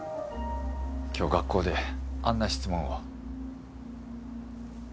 今日学校であんな質問を。